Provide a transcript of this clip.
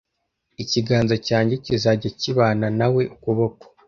ikiganza cyanjye kizajya kibana na we ukuboko